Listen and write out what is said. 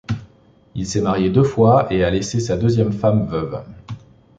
Il s'est marié deux fois et a laissé sa deuxième femme veuve.